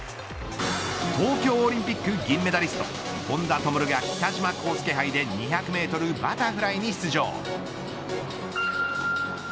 東京オリンピック銀メダリスト本多灯が北島康介杯で２００メートルバタフライに出場。